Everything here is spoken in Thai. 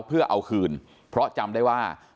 เพื่อเอาคืนเพราะจำได้ว่า